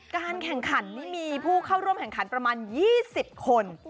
การแข่งขันนี่มีผู้เข้าร่วมแข่งขันประมาณ๒๐คน